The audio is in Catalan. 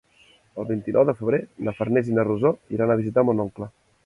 El vint-i-nou de febrer na Farners i na Rosó iran a visitar mon oncle.